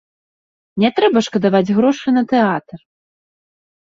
Не трэба шкадаваць грошы на тэатр.